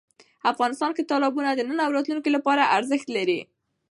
افغانستان کې تالابونه د نن او راتلونکي لپاره ارزښت لري.